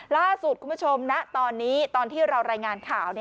ล่าสุดคุณผู้ชมณตอนนี้ตอนที่เรารายงานข่าว